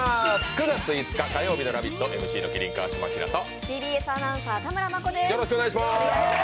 ９月５日火曜日の「ラヴィット！」、ＭＣの麒麟・川島明とＴＢＳアナウンサー・田村真子です。